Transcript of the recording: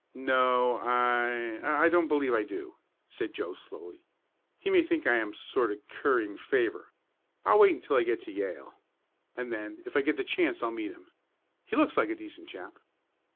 "No I I don't believe I do," said Joe slowly. "He may think I am sort of currying favor. I'll wait until I get to Yale, and then, if I get the chance, I'll meet him. He looks like a decent chap."